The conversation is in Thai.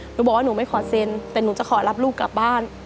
หนูบอกว่าหนูไม่ขอเซ็นแต่หนูจะขอรับลูกกลับบ้าน